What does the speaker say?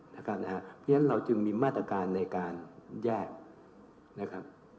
เพราะฉะนั้นเราจึงมีมาตรการในการแยกนะครับ